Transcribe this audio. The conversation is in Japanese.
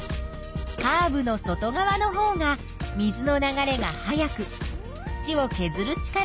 カーブの外側のほうが水の流れが速く土をけずる力が大きい。